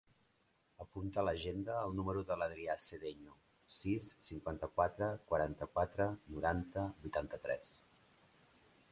Apunta a l'agenda el número de l'Adrià Sedeño: sis, cinquanta-quatre, quaranta-quatre, noranta, vuitanta-tres.